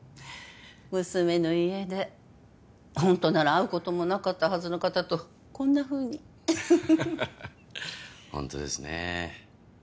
娘の家でホントなら会うこともなかったはずの方とこんなふうにウッフフハッハッハホントですね